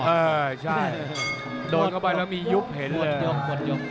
เออใช่โดนเข้าไปแล้วมียุบเห็นเลย